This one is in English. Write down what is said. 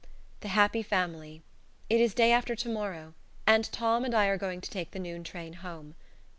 "The Happy Family." It is day after tomorrow, and Tom and I are going to take the noon train home.